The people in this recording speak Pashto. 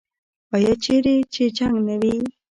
آیا چیرې چې جنګ نه وي؟